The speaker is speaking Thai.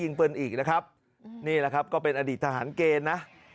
นี่แหละครับก็เป็นอดีตทหารเกณฑ์นะ